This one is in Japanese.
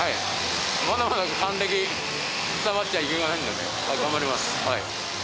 まだまだ還暦、くたばっちゃいけませんので頑張ります。